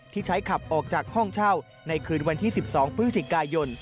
ที่ใช้ขับออกจากห้องเช่าในคืนวันที่๑๒พฤศจิกายน